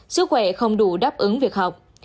sức khỏe không đủ đáp ứng việc học